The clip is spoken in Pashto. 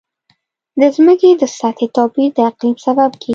د ځمکې د سطحې توپیر د اقلیم سبب کېږي.